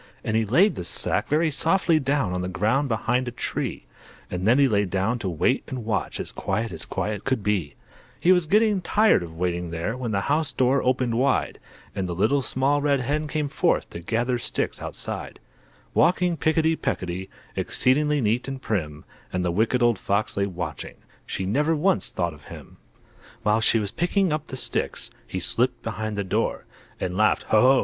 And he laid the sack very softly down On the ground behind a tree, And then lay down to wait and watch, As quiet as quiet could be. He was getting tired of waiting there, When the house door opened wide, And the Little Small Red Hen came forth To gather sticks outside; Walking picketty pecketty, Exceedingly neat and prim; And the Wicked Old Fox lay watching; She never once thought of him! While she was picking up the sticks He slipped behind the door, And laughed "Ho! Ho!"